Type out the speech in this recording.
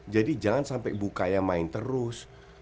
jadi jangan sampai bukaya main terus